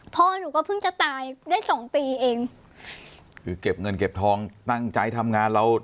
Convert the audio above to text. พ่อหนูก็เพิ่งจะตายได้สองปีเองคือเก็บเงินเก็บทองตั้งใจทำงานเรา